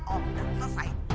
oh sudah selesai